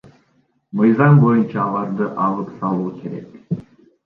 Мыйзам боюнча аларды алып салуу керек.